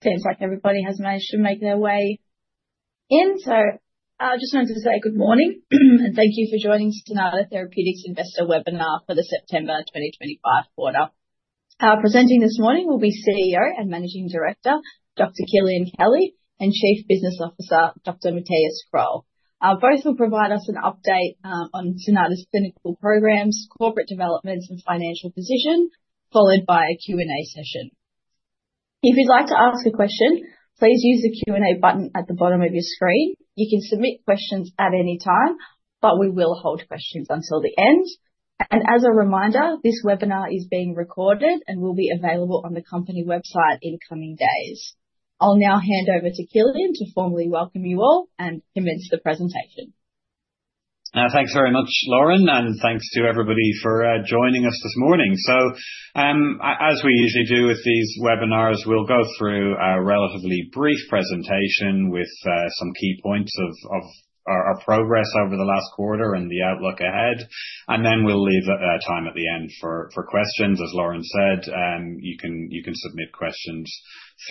I just wanted to say good morning and thank you for joining Cynata Therapeutics Investor Webinar for the September 2025 quarter. Presenting this morning will be CEO and Managing Director, Dr. Kilian Kelly, and Chief Business Officer, Dr. Mathias Kroll. Both will provide us an update on Cynata's clinical programs, corporate developments, and financial position, followed by a Q&A session. If you'd like to ask a question, please use the Q&A button at the bottom of your screen. You can submit questions at any time, we will hold questions until the end. As a reminder, this webinar is being recorded and will be available on the company website in the coming days. I'll now hand over to Kilian to formally welcome you all and commence the presentation. Thanks very much, Lauren. Thanks to everybody for joining us this morning. As we usually do with these webinars, we'll go through a relatively brief presentation with some key points of our progress over the last quarter and the outlook ahead, and then we'll leave time at the end for questions. As Lauren said, you can submit questions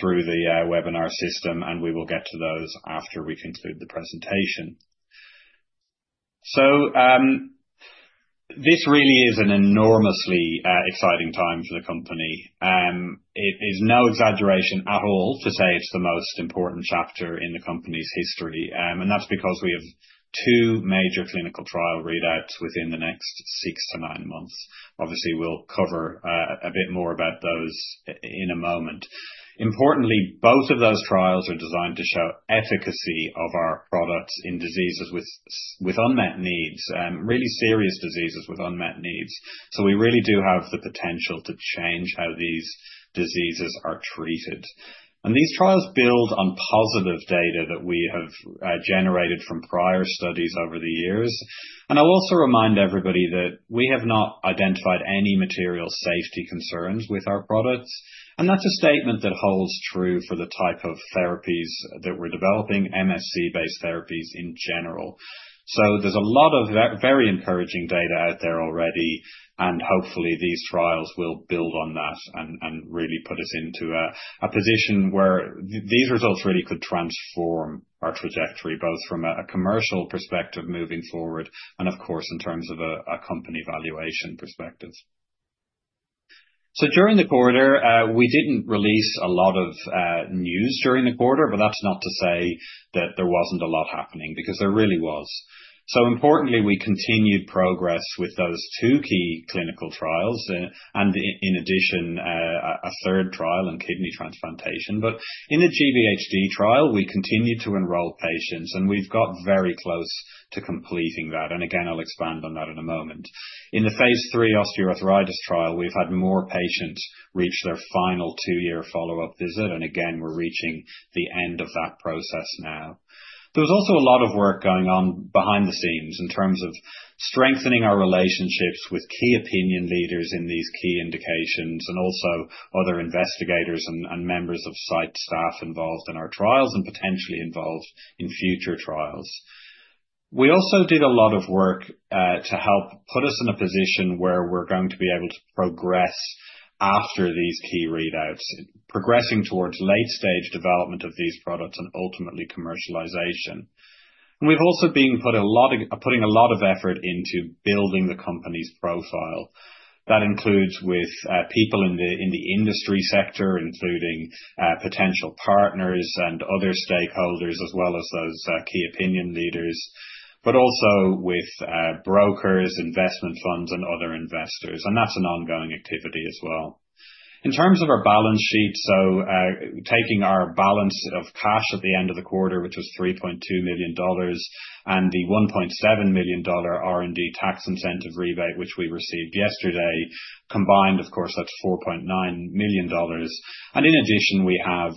through the webinar system, and we will get to those after we conclude the presentation. This really is an enormously exciting time for the company. It is no exaggeration at all to say it's the most important chapter in the company's history, and that's because we have two major clinical trial readouts within the next six to nine months. Obviously, we'll cover a bit more about those in a moment. Both of those trials are designed to show efficacy of our products in diseases with unmet needs, really serious diseases with unmet needs. We really do have the potential to change how these diseases are treated. These trials build on positive data that we have generated from prior studies over the years. I'll also remind everybody that we have not identified any material safety concerns with our products, and that's a statement that holds true for the type of therapies that we're developing, MSC-based therapies in general. There's a lot of very encouraging data out there already, and hopefully these trials will build on that and really put us into a position where these results really could transform our trajectory, both from a commercial perspective moving forward and of course, in terms of a company valuation perspective. During the quarter, we didn't release a lot of news during the quarter, but that's not to say that there wasn't a lot happening, because there really was. Importantly, we continued progress with those two key clinical trials and in addition, a third trial in kidney transplantation. In the GVHD trial, we continued to enroll patients, and we've got very close to completing that. Again, I'll expand on that in a moment. In the phase III osteoarthritis trial, we've had more patients reach their final two-year follow-up visit, again, we're reaching the end of that process now. There was also a lot of work going on behind the scenes in terms of strengthening our relationships with key opinion leaders in these key indications and also other investigators and members of site staff involved in our trials and potentially involved in future trials. We also did a lot of work to help put us in a position where we're going to be able to progress after these key readouts, progressing towards late-stage development of these products and ultimately commercialization. We've also been putting a lot of effort into building the company's profile. That includes with people in the industry sector, including potential partners and other stakeholders, as well as those key opinion leaders, but also with brokers, investment funds, and other investors, and that's an ongoing activity as well. In terms of our balance sheet, taking our balance of cash at the end of the quarter, which was 3.2 million dollars, and the 1.7 million dollar R&D Tax Incentive rebate, which we received yesterday, combined, of course, that's 4.9 million dollars. In addition, we have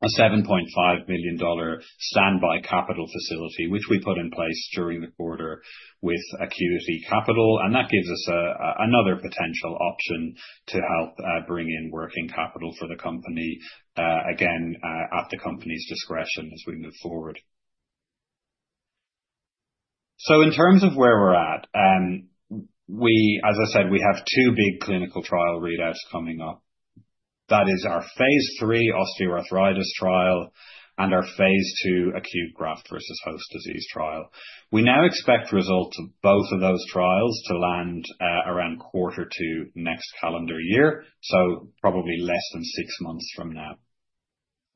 a 7.5 million dollar standby capital facility, which we put in place during the quarter with Acuity Capital. That gives us another potential option to help bring in working capital for the company, again, at the company's discretion as we move forward. In terms of where we're at, as I said, we have two big clinical trial readouts coming up. That is our phase III osteoarthritis trial and our phase II acute graft versus host disease trial. We now expect results of both of those trials to land around quarter 2 next calendar year, so probably less than six months from now.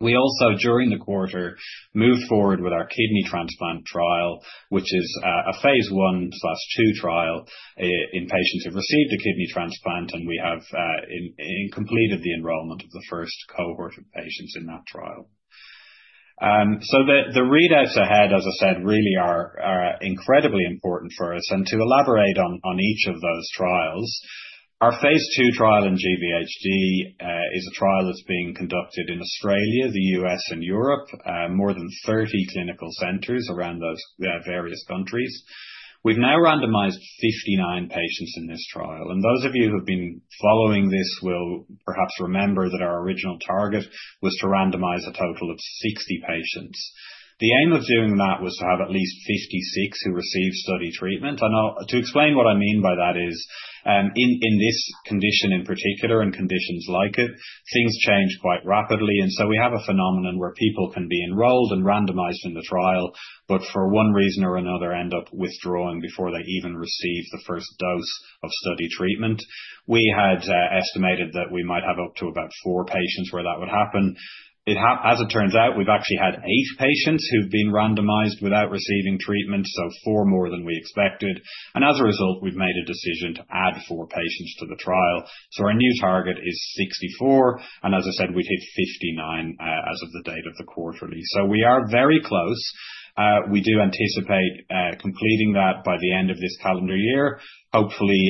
We also, during the quarter, moved forward with our kidney transplant trial, which is a phase I/II trial in patients who've received a kidney transplant, and we have completed the enrollment of the first cohort of patients in that trial. The readouts ahead, as I said, really are incredibly important for us. To elaborate on each of those trials. Our phase II trial in GVHD is a trial that's being conducted in Australia, the U.S., and Europe, more than 30 clinical centers around those various countries. We've now randomized 59 patients in this trial, and those of you who've been following this will perhaps remember that our original target was to randomize a total of 60 patients. The aim of doing that was to have at least 56 who received study treatment. To explain what I mean by that is, in this condition, in particular, and conditions like it, things change quite rapidly. We have a phenomenon where people can be enrolled and randomized in the trial, but for one reason or another, end up withdrawing before they even receive the first dose of study treatment. We had estimated that we might have up to about four patients where that would happen. As it turns out, we've actually had eight patients who've been randomized without receiving treatment, so four more than we expected. As a result, we've made a decision to add four patients to the trial. Our new target is 64. As I said, we hit 59 as of the date of the quarterly. We are very close. We do anticipate completing that by the end of this calendar year. Hopefully,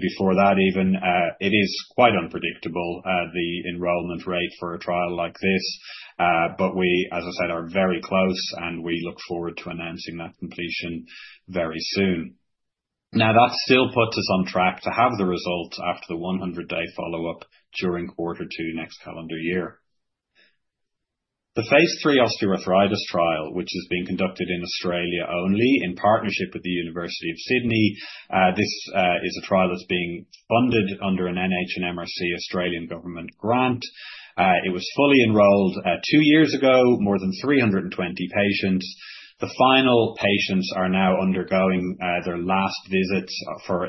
before that even. It is quite unpredictable the enrollment rate for a trial like this. We, as I said, are very close, and we look forward to announcing that completion very soon. That still puts us on track to have the results after the 100-day follow-up during quarter 2 next calendar year. The phase III osteoarthritis trial, which is being conducted in Australia only in partnership with the University of Sydney. This is a trial that's being funded under an NH and MRC Australian government grant. It was fully enrolled two years ago, more than 320 patients. The final patients are now undergoing their last visits.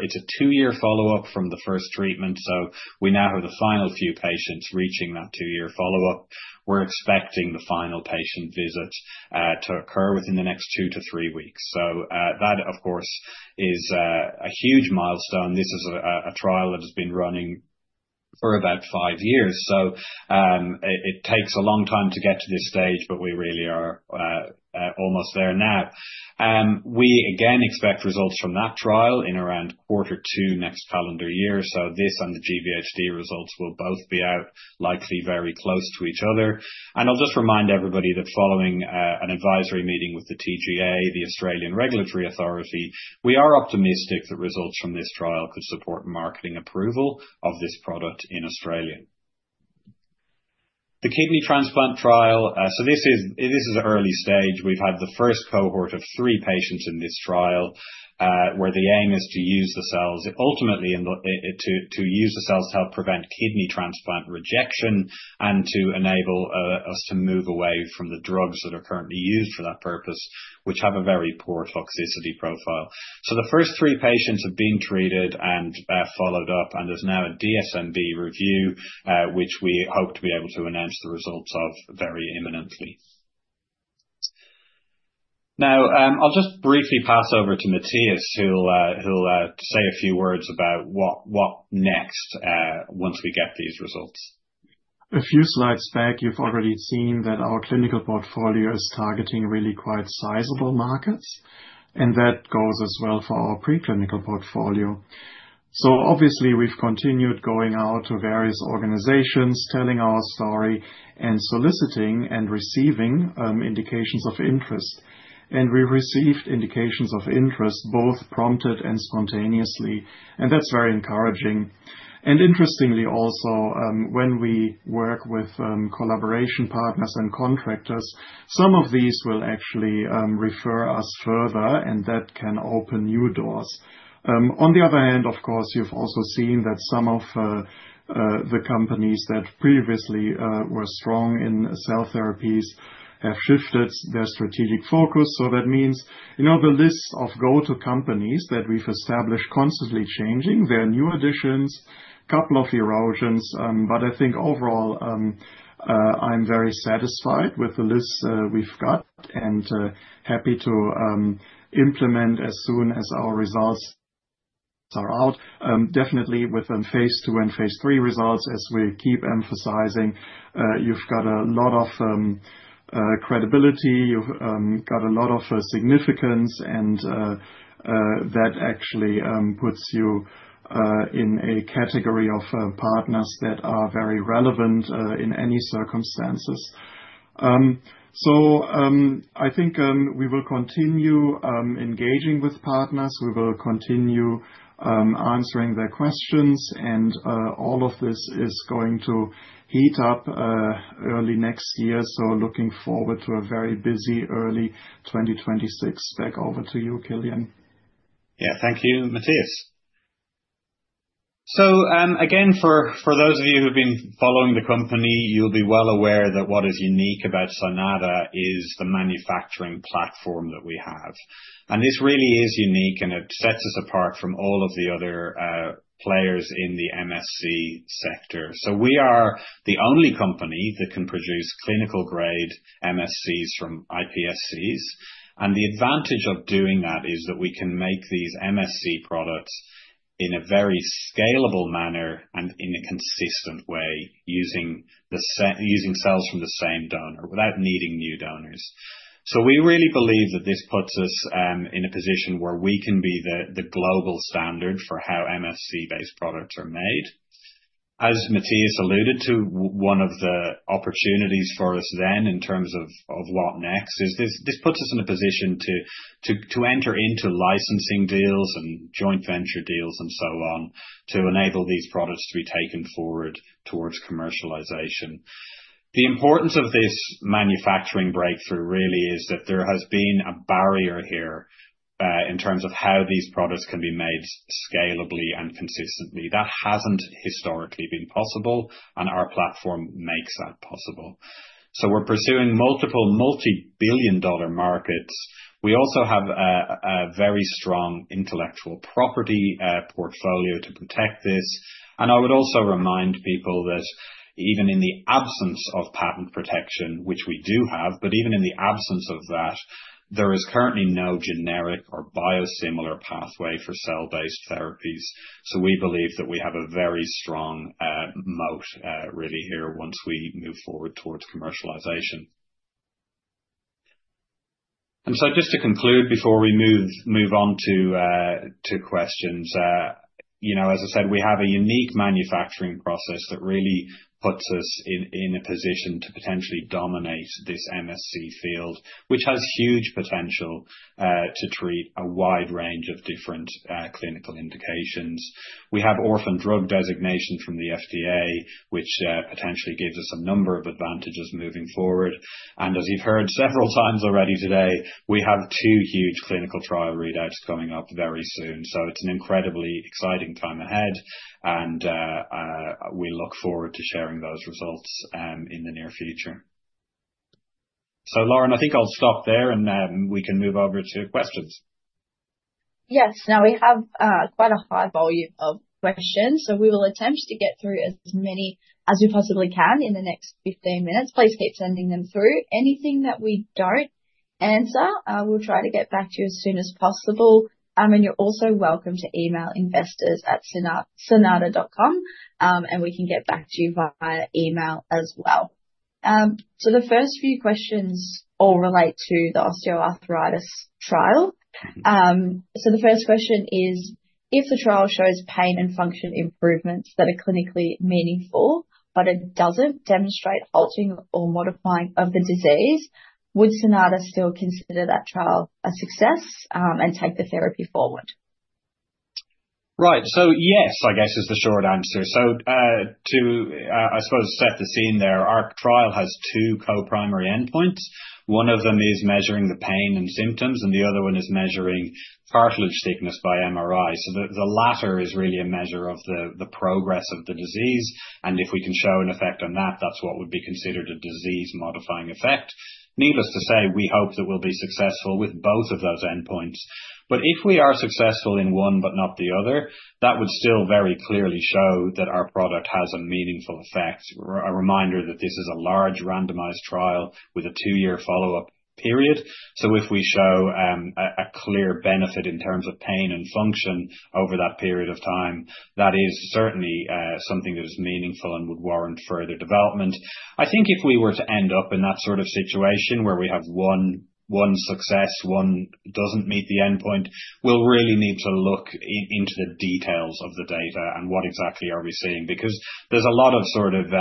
It's a two-year follow-up from the first treatment, so we now have the final few patients reaching that two-year follow-up. We're expecting the final patient visits to occur within the next two to three weeks. That, of course, is a huge milestone. This is a trial that has been running for about five years. It takes a long time to get to this stage, but we really are almost there now. We again expect results from that trial in around quarter two next calendar year, so this and the GVHD results will both be out likely very close to each other. I'll just remind everybody that following an advisory meeting with the TGA, the Australian Regulatory Authority, we are optimistic that results from this trial could support marketing approval of this product in Australia. The kidney transplant trial. This is early stage. We've had the first cohort of 3 patients in this trial where the aim is to use the cells to help prevent kidney transplant rejection and to enable us to move away from the drugs that are currently used for that purpose, which have a very poor toxicity profile. The first 3 patients have been treated and followed up, and there's now a DSMB review, which we hope to be able to announce the results of very imminently. I'll just briefly pass over to Mathias, who'll say a few words about what next once we get these results. A few slides back, you've already seen that our clinical portfolio is targeting really quite sizable markets, and that goes as well for our preclinical portfolio. Obviously, we've continued going out to various organizations, telling our story, and soliciting and receiving indications of interest. We received indications of interest, both prompted and spontaneously, and that's very encouraging. Interestingly, also, when we work with collaboration partners and contractors, some of these will actually refer us further, and that can open new doors. On the other hand, of course, you've also seen that some of the companies that previously were strong in cell therapies have shifted their strategic focus. That means the list of go-to companies that we've established constantly changing. There are new additions, couple of erosions. I think overall, I'm very satisfied with the list we've got and happy to implement as soon as our results are out. Definitely within phase II and phase III results as we keep emphasizing, you've got a lot of credibility, you've got a lot of significance, and that actually puts you in a category of partners that are very relevant in any circumstances. I think we will continue engaging with partners. We will continue answering their questions. All of this is going to heat up early next year. Looking forward to a very busy early 2026. Back over to you, Kilian. Yeah. Thank you, Mathias. Again, for those of you who've been following the company, you'll be well aware that what is unique about Cynata is the manufacturing platform that we have. This really is unique, and it sets us apart from all of the other players in the MSC sector. We are the only company that can produce clinical-grade MSCs from iPSCs. The advantage of doing that is that we can make these MSC products in a very scalable manner and in a consistent way using cells from the same donor without needing new donors. We really believe that this puts us in a position where we can be the global standard for how MSC-based products are made. As Mathias alluded to, one of the opportunities for us then in terms of what next is this puts us in a position to enter into licensing deals and joint venture deals and so on, to enable these products to be taken forward towards commercialization. The importance of this manufacturing breakthrough really is that there has been a barrier here, in terms of how these products can be made scalably and consistently. That hasn't historically been possible, and our platform makes that possible. We're pursuing multiple multi-billion-dollar markets. We also have a very strong intellectual property portfolio to protect this. I would also remind people that even in the absence of patent protection, which we do have, but even in the absence of that, there is currently no generic or biosimilar pathway for cell-based therapies. We believe that we have a very strong moat really here once we move forward towards commercialization. Just to conclude, before we move on to questions. As I said, we have a unique manufacturing process that really puts us in a position to potentially dominate this MSC field, which has huge potential to treat a wide range of different clinical indications. We have orphan drug designation from the FDA, which potentially gives us a number of advantages moving forward. As you've heard several times already today, we have two huge clinical trial readouts coming up very soon. It's an incredibly exciting time ahead and we look forward to sharing those results in the near future. Lauren, I think I'll stop there, and then we can move over to questions. Yes. We have quite a high volume of questions, so we will attempt to get through as many as we possibly can in the next 15 minutes. Please keep sending them through. Anything that we don't answer, we'll try to get back to you as soon as possible. You're also welcome to email investors@cynata.com, and we can get back to you via email as well. The first few questions all relate to the osteoarthritis trial. The first question is: If the trial shows pain and function improvements that are clinically meaningful, but it doesn't demonstrate halting or modifying of the disease, would Cynata still consider that trial a success, and take the therapy forward? Yes, I guess is the short answer. To, I suppose, set the scene there, our trial has two co-primary endpoints. One of them is measuring the pain and symptoms, and the other one is measuring cartilage thickness by MRI. The latter is really a measure of the progress of the disease, and if we can show an effect on that's what would be considered a disease-modifying effect. Needless to say, we hope that we'll be successful with both of those endpoints. If we are successful in one but not the other, that would still very clearly show that our product has a meaningful effect. A reminder that this is a large randomized trial with a two-year follow-up period. If we show a clear benefit in terms of pain and function over that period of time, that is certainly something that is meaningful and would warrant further development. I think if we were to end up in that sort of situation where we have one success, one doesn't meet the endpoint, we'll really need to look into the details of the data and what exactly are we seeing, because there's a lot of sort of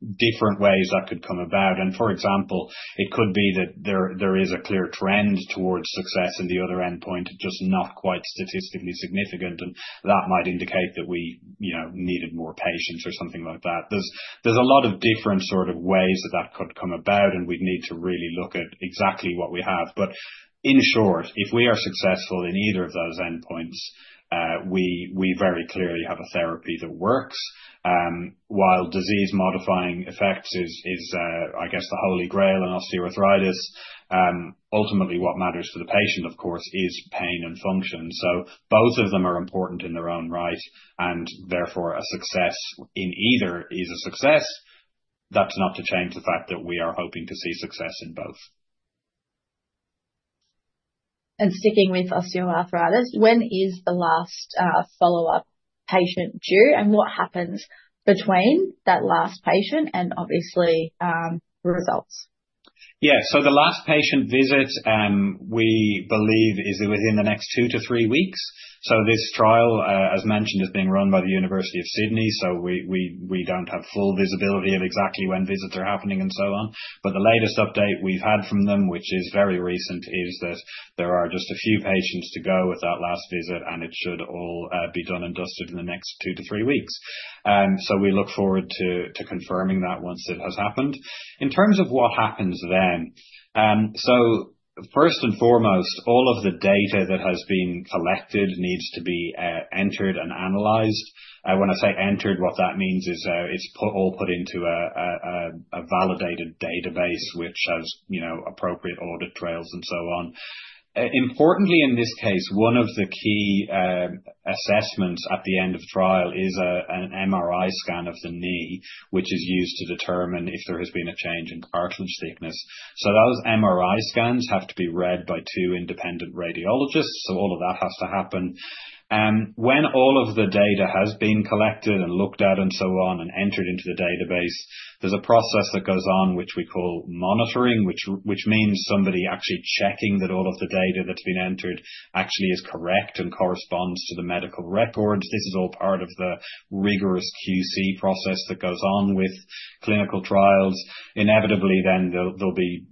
different ways that could come about. For example, it could be that there is a clear trend towards success in the other endpoint, just not quite statistically significant, and that might indicate that we needed more patients or something like that. There's a lot of different ways that that could come about, and we'd need to really look at exactly what we have. In short, if we are successful in either of those endpoints, we very clearly have a therapy that works. While disease-modifying effects is the holy grail in osteoarthritis, ultimately, what matters for the patient, of course, is pain and function. Both of them are important in their own right, and therefore a success in either is a success. That's not to change the fact that we are hoping to see success in both. Sticking with osteoarthritis, when is the last follow-up patient due? What happens between that last patient and obviously, the results? Yeah. The last patient visit, we believe is within the next 2-3 weeks. This trial, as mentioned, is being run by the University of Sydney, so we don't have full visibility of exactly when visits are happening and so on. The latest update we've had from them, which is very recent, is that there are just a few patients to go with that last visit, and it should all be done and dusted in the next 2-3 weeks. We look forward to confirming that once it has happened. In terms of what happens then. First and foremost, all of the data that has been collected needs to be entered and analyzed. When I say entered, what that means is it's all put into a validated database, which has appropriate audit trails and so on. Importantly, in this case, one of the key assessments at the end of the trial is an MRI scan of the knee, which is used to determine if there has been a change in cartilage thickness. Those MRI scans have to be read by two independent radiologists, so all of that has to happen. When all of the data has been collected and looked at and so on, and entered into the database, there's a process that goes on which we call monitoring, which means somebody actually checking that all of the data that's been entered actually is correct and corresponds to the medical records. This is all part of the rigorous QC process that goes on with clinical trials. Inevitably then, there'll be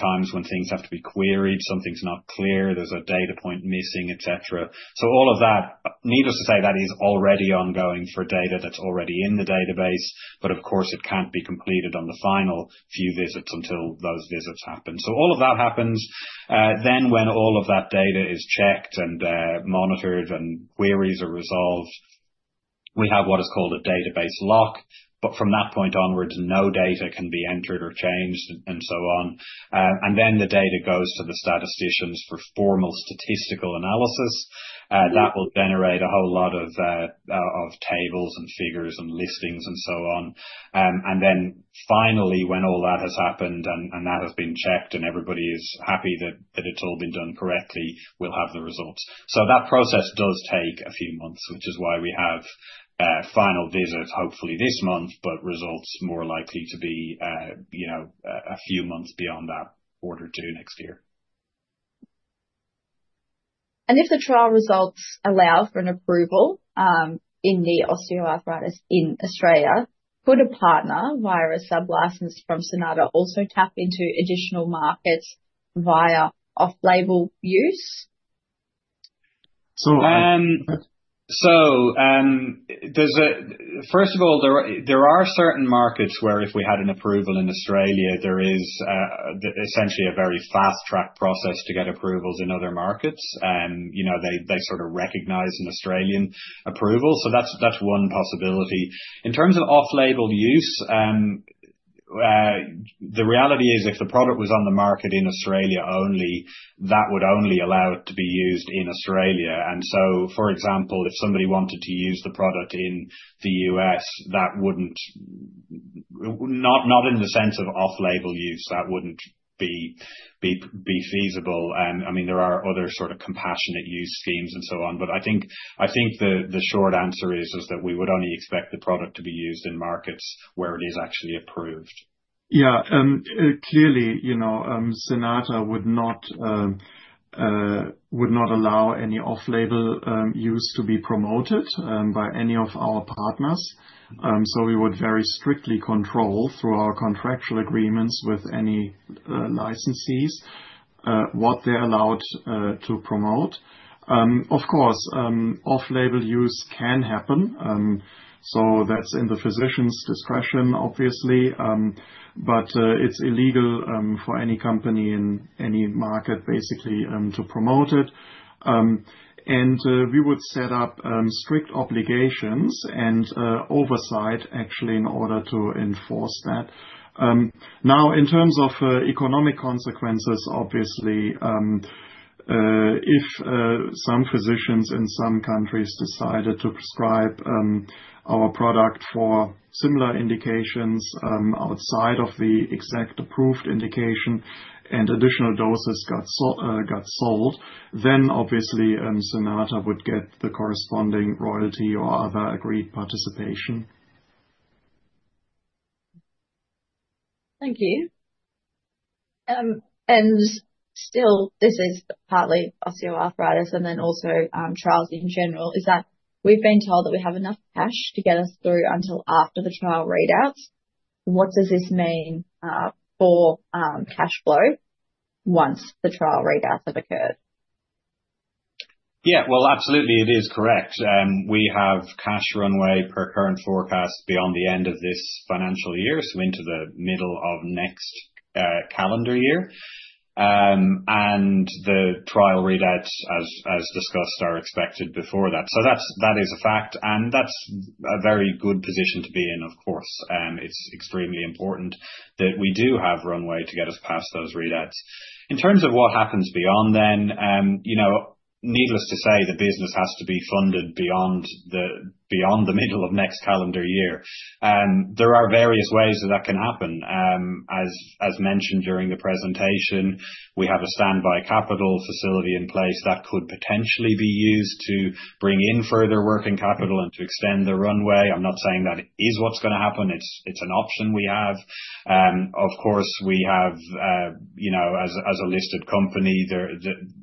times when things have to be queried, something's not clear, there's a data point missing, et cetera. All of that, needless to say, that is already ongoing for data that's already in the database. Of course, it can't be completed on the final few visits until those visits happen. All of that happens. When all of that data is checked and monitored and queries are resolved. We have what is called a database lock, but from that point onwards, no data can be entered or changed, and so on. The data goes to the statisticians for formal statistical analysis. That will generate a whole lot of tables and figures and listings and so on. Finally, when all that has happened and that has been checked and everybody is happy that it's all been done correctly, we'll have the results. That process does take a few months, which is why we have a final visit, hopefully this month, but results more likely to be a few months beyond that, database lock due next year. If the trial results allow for an approval, in the osteoarthritis in Australia, could a partner, via a sub-license from Cynata, also tap into additional markets via off-label use? First of all, there are certain markets where if we had an approval in Australia, there is essentially a very fast-track process to get approvals in other markets. They sort of recognize an Australian approval. That's one possibility. In terms of off-label use, the reality is, if the product was on the market in Australia only, that would only allow it to be used in Australia. For example, if somebody wanted to use the product in the U.S., not in the sense of off-label use, that wouldn't be feasible. There are other sort of compassionate use schemes and so on. I think the short answer is that we would only expect the product to be used in markets where it is actually approved. Yeah. Clearly, Cynata would not allow any off-label use to be promoted by any of our partners. We would very strictly control through our contractual agreements with any licensees what they're allowed to promote. Of course, off-label use can happen. That's in the physician's discretion, obviously. It's illegal for any company in any market, basically, to promote it. We would set up strict obligations and oversight, actually, in order to enforce that. Now, in terms of economic consequences, obviously, if some physicians in some countries decided to prescribe our product for similar indications outside of the exact approved indication and additional doses got sold, then obviously, Cynata would get the corresponding royalty or other agreed participation. Thank you. Still, this is partly osteoarthritis and then also trials in general, is that we've been told that we have enough cash to get us through until after the trial readouts. What does this mean for cash flow once the trial readouts have occurred? Yeah. Well, absolutely. It is correct. We have cash runway per current forecast beyond the end of this financial year. Into the middle of next calendar year. The trial readouts, as discussed, are expected before that. That is a fact, and that's a very good position to be in, of course. It's extremely important that we do have runway to get us past those readouts. In terms of what happens beyond then, needless to say, the business has to be funded beyond the middle of next calendar year. There are various ways that that can happen. As mentioned during the presentation, we have a standby capital facility in place that could potentially be used to bring in further working capital and to extend the runway. I'm not saying that is what's going to happen. It's an option we have. Of course, we have, as a listed company,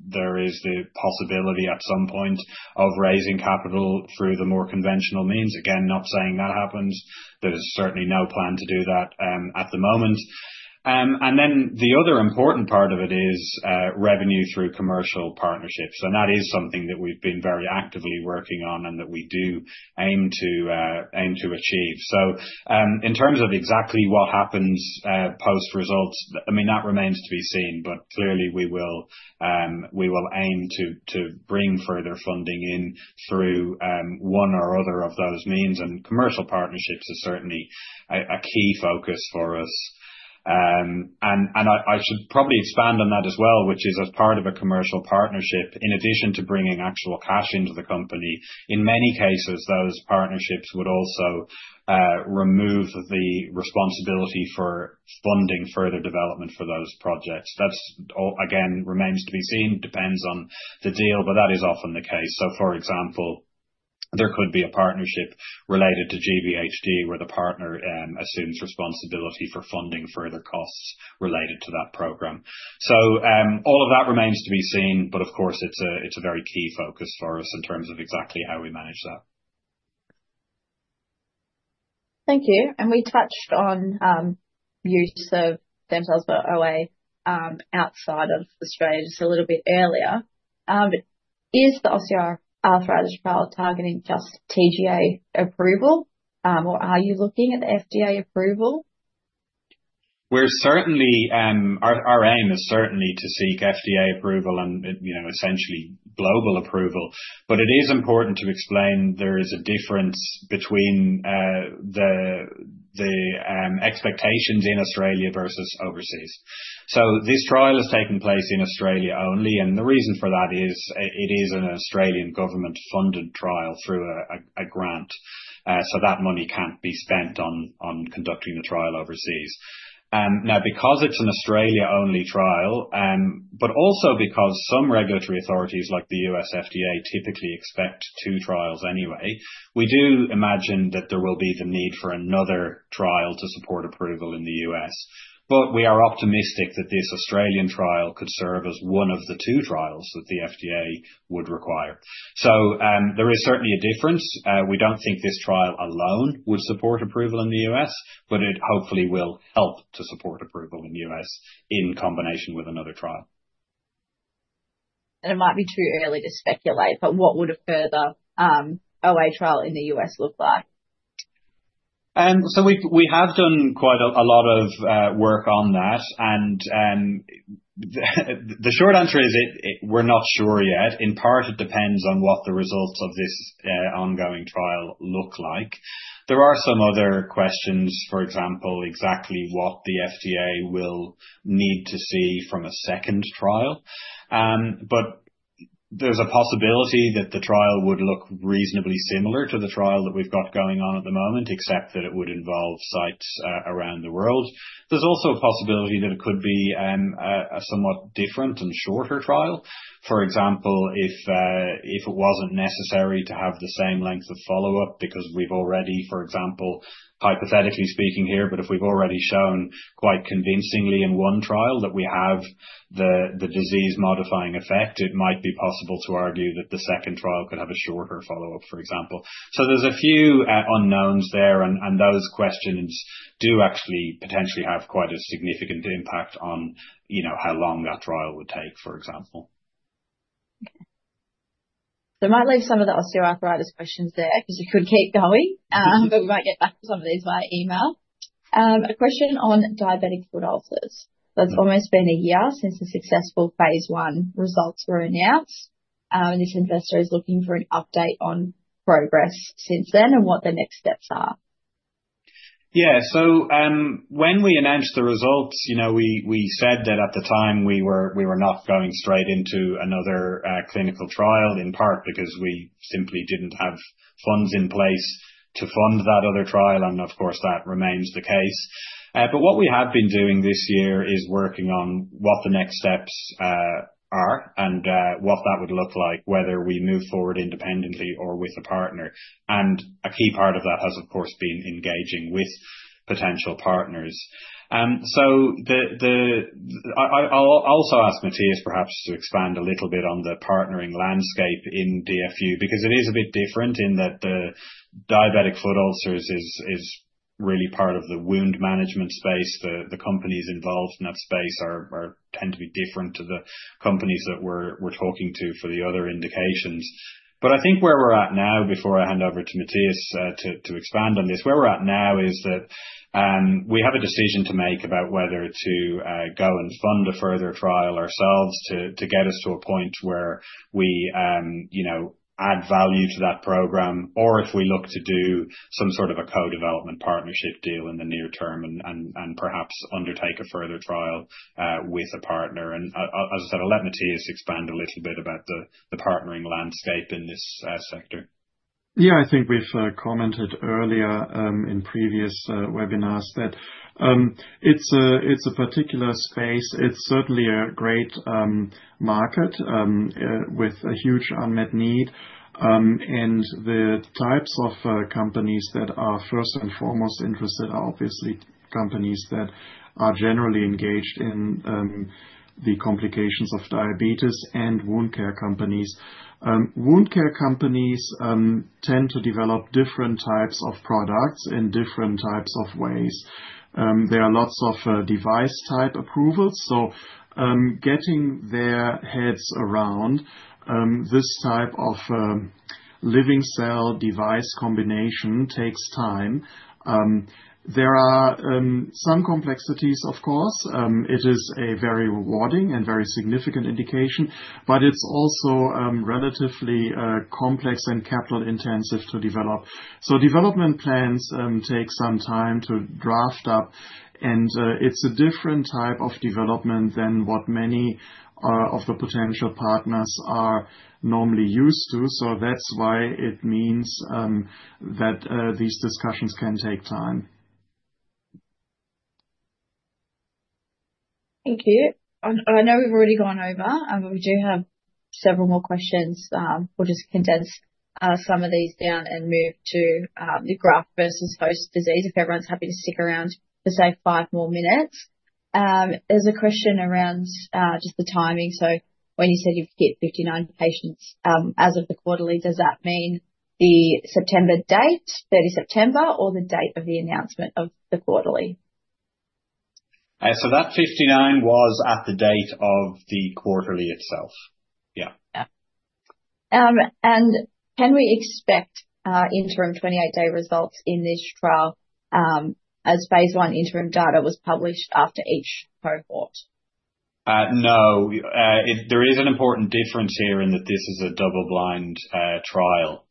there is the possibility at some point of raising capital through the more conventional means. Again, not saying that happens. There is certainly no plan to do that at the moment. Then the other important part of it is revenue through commercial partnerships, and that is something that we've been very actively working on and that we do aim to achieve. In terms of exactly what happens post results, that remains to be seen. Clearly, we will aim to bring further funding in through one or other of those means, and commercial partnerships is certainly a key focus for us. I should probably expand on that as well, which is as part of a commercial partnership, in addition to bringing actual cash into the company, in many cases, those partnerships would also remove the responsibility for funding further development for those projects. That, again, remains to be seen, depends on the deal, but that is often the case. For example, there could be a partnership related to GVHD, where the partner assumes responsibility for funding further costs related to that program. All of that remains to be seen, but of course, it's a very key focus for us in terms of exactly how we manage that. Thank you. We touched on use of stem cells for OA outside of Australia just a little bit earlier. Is the osteoarthritis trial targeting just TGA approval, or are you looking at FDA approval? Our aim is certainly to seek FDA approval and essentially global approval. It is important to explain there is a difference between the expectations in Australia versus overseas. This trial is taking place in Australia only, and the reason for that is it is an Australian government-funded trial through a grant, so that money can't be spent on conducting the trial overseas. Now, because it's an Australia only trial, but also because some regulatory authorities like the U.S. FDA typically expect two trials anyway, we do imagine that there will be the need for another trial to support approval in the U.S. We are optimistic that this Australian trial could serve as one of the two trials that the FDA would require. There is certainly a difference. We don't think this trial alone would support approval in the U.S. It hopefully will help to support approval in the U.S. in combination with another trial. It might be too early to speculate, but what would a further OA trial in the U.S. look like? We have done quite a lot of work on that, and the short answer is we're not sure yet. In part, it depends on what the results of this ongoing trial look like. There are some other questions. For example, exactly what the FDA will need to see from a second trial. There's a possibility that the trial would look reasonably similar to the trial that we've got going on at the moment, except that it would involve sites around the world. There's also a possibility that it could be a somewhat different and shorter trial. For example, if it wasn't necessary to have the same length of follow-up, because we've already, for example, hypothetically speaking here, but if we've already shown quite convincingly in one trial that we have the disease-modifying effect, it might be possible to argue that the second trial could have a shorter follow-up, for example. There's a few unknowns there, and those questions do actually potentially have quite a significant impact on how long that trial would take, for example. Okay. I might leave some of the osteoarthritis questions there because you could keep going. We might get back to some of these via email. A question on diabetic foot ulcers. It's almost been a year since the successful phase I results were announced. This investor is looking for an update on progress since then and what the next steps are. Yeah. When we announced the results, we said that at the time we were not going straight into another clinical trial, in part because we simply didn't have funds in place to fund that other trial, and of course, that remains the case. What we have been doing this year is working on what the next steps are and what that would look like, whether we move forward independently or with a partner. A key part of that has, of course, been engaging with potential partners. I'll also ask Mathias perhaps to expand a little bit on the partnering landscape in DFU, because it is a bit different in that the diabetic foot ulcers is really part of the wound management space. The companies involved in that space tend to be different to the companies that we're talking to for the other indications. I think where we're at now, before I hand over to Mathias to expand on this, where we're at now is that we have a decision to make about whether to go and fund a further trial ourselves to get us to a point where we add value to that program. If we look to do some sort of a co-development partnership deal in the near term and perhaps undertake a further trial with a partner. As I said, I'll let Mathias expand a little bit about the partnering landscape in this sector. Yeah. I think we've commented earlier in previous webinars that it's a particular space. It is certainly a great market with a huge unmet need. The types of companies that are first and foremost interested are obviously companies that are generally engaged in the complications of diabetes and wound care companies. Wound care companies tend to develop different types of products in different types of ways. There are lots of device-type approvals. Getting their heads around this type of living cell device combination takes time. There are some complexities, of course. It is a very rewarding and very significant indication, but it is also relatively complex and capital-intensive to develop. Development plans take some time to draft up, and it is a different type of development than what many of the potential partners are normally used to. That is why it means that these discussions can take time. Thank you. I know we've already gone over, but we do have several more questions. We'll just condense some of these down and move to the graft versus host disease, if everyone's happy to stick around for, say, five more minutes. There's a question around just the timing. When you said you could get 59 patients as of the quarterly, does that mean the September date, 30 September, or the date of the announcement of the quarterly? That 59 was at the date of the quarterly itself. Yeah. Can we expect interim 28-day results in this trial, as phase I interim data was published after each cohort? No. There is an important difference here in that this is a double-blind trial.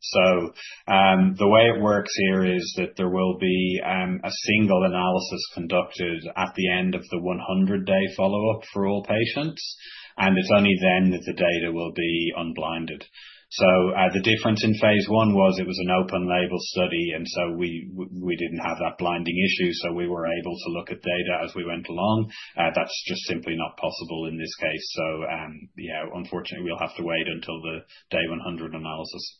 The way it works here is that there will be a single analysis conducted at the end of the 100-day follow-up for all patients, and it's only then that the data will be unblinded. The difference in phase I was it was an open label study, and so we didn't have that blinding issue, so we were able to look at data as we went along. That's just simply not possible in this case. Yeah, unfortunately, we'll have to wait until the day 100 analysis.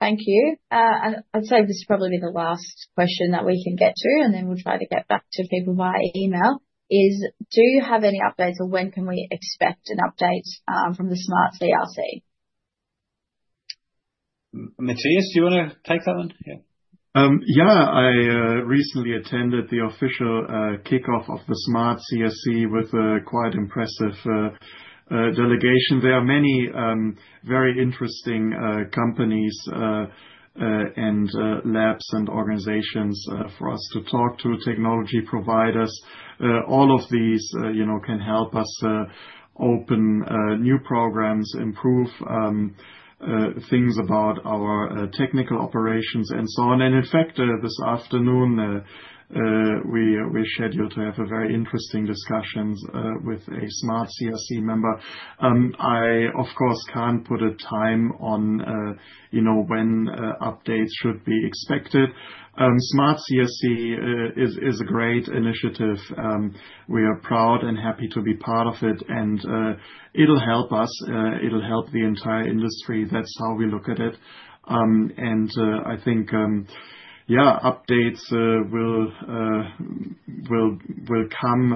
Thank you. I'd say this will probably be the last question that we can get to, and then we'll try to get back to people via email. Do you have any updates, or when can we expect an update from the SMART CRC? Mathias, do you want to take that one? Yeah. Yeah. I recently attended the official kickoff of the SMART CRC with a quite impressive delegation. There are many very interesting companies and labs and organizations for us to talk to, technology providers. All of these can help us open new programs, improve things about our technical operations, and so on. In fact, this afternoon, we're scheduled to have a very interesting discussions with a SMART CRC member. I, of course, can't put a time on when updates should be expected. SMART CRC is a great initiative. We are proud and happy to be part of it, and it'll help us. It'll help the entire industry. That's how we look at it. I think, yeah, updates will come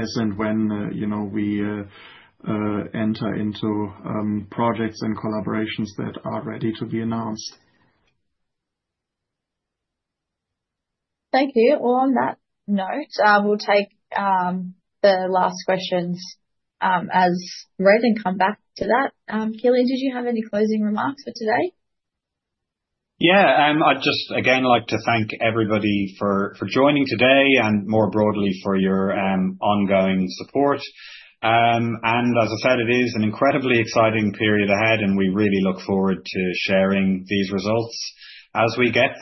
as and when we enter into projects and collaborations that are ready to be announced. Thank you. Well, on that note, we'll take the last questions as raised and come back to that. Kilian, did you have any closing remarks for today? Yeah. I'd just, again, like to thank everybody for joining today and more broadly for your ongoing support. As I said, it is an incredibly exciting period ahead, and we really look forward to sharing these results as we get them.